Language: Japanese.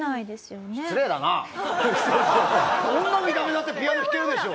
どんな見た目だってピアノ弾けるでしょ！